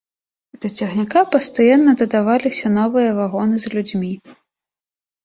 Да цягніка пастаянна дадаваліся новыя вагоны з людзьмі.